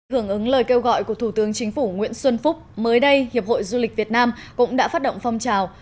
hưởng ứng lời kêu gọi của thủ tướng chính phủ nguyễn xuân phúc mới đây hiệp hội du lịch việt nam cũng đã phát động phong trào